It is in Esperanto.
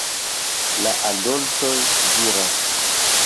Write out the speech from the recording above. La adoltoj diras: